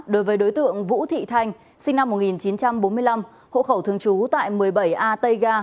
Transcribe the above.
đối với đối tượng vũ thị thanh sinh năm một nghìn chín trăm bốn mươi năm hộ khẩu thường trú tại một mươi bảy a tây ga